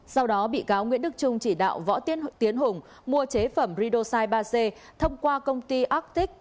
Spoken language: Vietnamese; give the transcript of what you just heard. sau đó bị cáo nguyễn đức trung chỉ đạo võ tiến hùng mua chế phẩm ridosai ba c thông qua công ty actic